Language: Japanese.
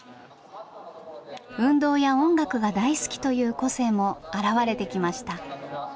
運動や音楽が大好きという個性も表れてきました。